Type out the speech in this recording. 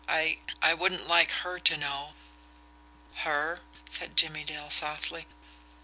I I wouldn't like her to know." "Her?" said Jimmie Dale softly.